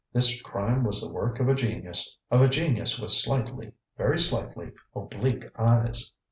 This crime was the work of a genius of a genius with slightly, very slightly, oblique eyes.